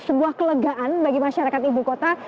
sebuah kelegaan bagi masyarakat ibu kota